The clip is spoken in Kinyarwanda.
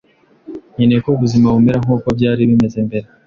nkeneye ko ubuzima bumera nkuko byari bimeze mbere.